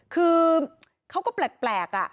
คือเขาก็แปลก